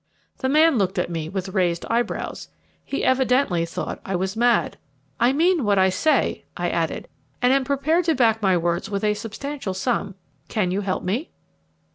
The man looked at me with raised eyebrows. He evidently thought I was mad. "I mean what I say," I added, "and am prepared to back my words with a substantial sum. Can you help me?"